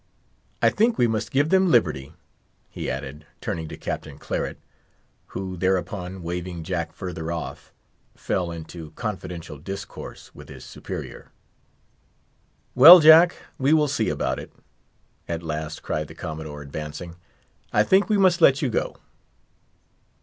"I think we must give them liberty," he added, turning to Captain Claret; who thereupon, waving Jack further off, fell into confidential discourse with his superior. "Well, Jack, we will see about it," at last cried the Commodore, advancing. "I think we must let you go."